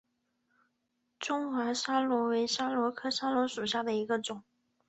中华桫椤为桫椤科桫椤属下的一个种。